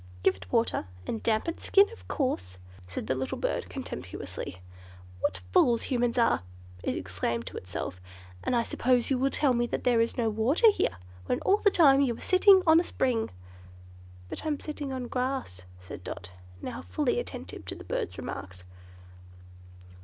"Give it water, and damp its skin, of course," said the little Bird, contemptuously. "What fools Humans are," it exclaimed to itself. "And I suppose you will tell me there is no water here, when all the time you are sitting on a spring." "But I'm sitting on grass," said Dot, now fully attentive to the bird's remarks.